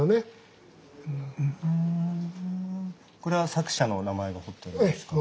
これは作者のお名前が彫ってあるんですか？